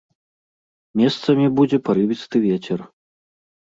Месцамі будзе парывісты вецер.